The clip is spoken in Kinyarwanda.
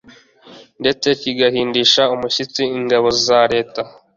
ndetse kigahindisha umushyitsi ingabo za leta,